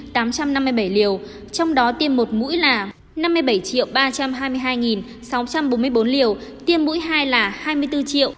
trong đó tiêm một mũi là năm mươi bảy ba trăm hai mươi hai sáu trăm bốn mươi bốn liều tiêm mũi hai là hai mươi bốn năm trăm chín mươi bảy hai trăm ba mươi một liều